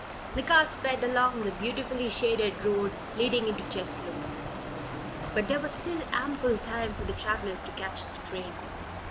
The car sped along the beautifully shaded road leading into Cheslow; but there was still ample time for the travelers to catch the train.